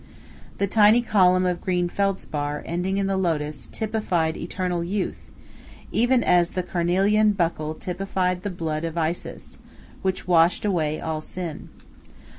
The tiny column of green feldspar ending in the lotus typified eternal youth, even as the carnelian buckle typified the blood of Isis, which washed away all sin.